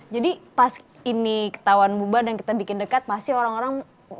jadi pas ini ketahuan bubar dan kita bikin dekat pasti orang orang